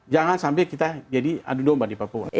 jangan sampai kita jadi adu domba di papua